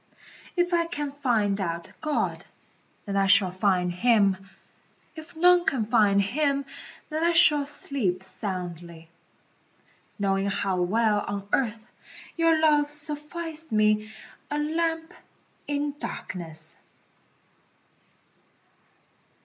If I can find out God, then I shall find Him, If none can find Him, then I shall sleep soundly, Knowing how well on earth your love sufficed me, A lamp in darkness.